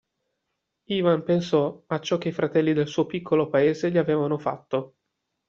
Ivan pensò a ciò che i fratelli del suo piccolo paese gli avevano fatto.